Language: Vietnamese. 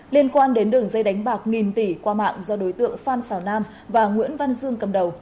liên quan đến đường dây đánh bạc nghìn tỷ qua mạng do đối tượng phan xào nam và nguyễn văn dương cầm đầu